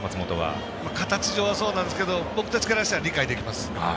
形上はそうなんですけど僕たちからしたら理解できます。